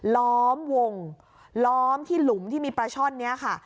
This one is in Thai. ล้อมวงล้อมที่หลุมที่มีปลาช่อนนี้ค่ะ